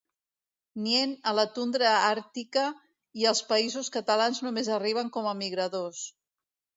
Nien a la tundra àrtica i als Països Catalans només arriben com a migradors.